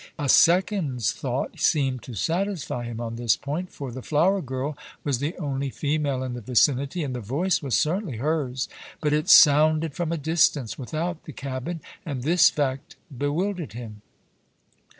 A second's thought seemed to satisfy him on this point, for the flower girl was the only female in the vicinity and the voice was certainly hers; but it sounded from a distance, without the cabin, and this fact bewildered him.